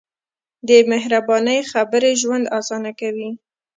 د مهربانۍ خبرې ژوند اسانه کوي.